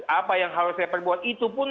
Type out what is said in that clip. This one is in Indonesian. apa yang harus saya perbuat itu pun